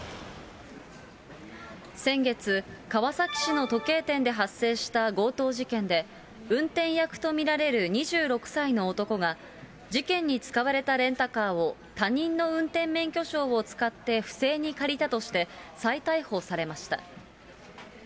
先月、川崎市の時計店で発生した強盗事件で、運転役と見られる２６歳の男が、事件に使われたレンタカーを他人の運転免許証を使って不正に借りたとして、再逮捕されました。